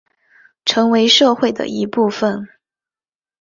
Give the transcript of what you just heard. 成为社会的一部分